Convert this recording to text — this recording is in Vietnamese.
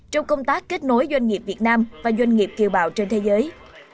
trong công tác kết nối doanh nghiệp việt nam và doanh nghiệp kiều bào trên thế giới